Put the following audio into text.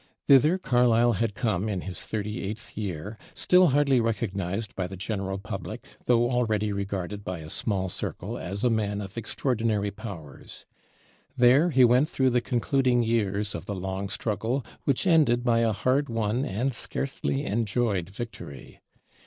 Thither Carlyle had come in his thirty eighth year, still hardly recognized by the general public, though already regarded by a small circle as a man of extraordinary powers. There he went through the concluding years of the long struggle which ended by a hard won and scarcely enjoyed victory.